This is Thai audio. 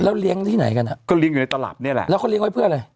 เลี้ยงที่ไหนกันอ่ะก็เลี้ยอยู่ในตลับนี่แหละแล้วเขาเลี้ยไว้เพื่ออะไร